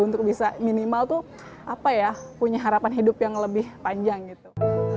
untuk bisa minimal tuh apa ya punya harapan hidup yang lebih panjang gitu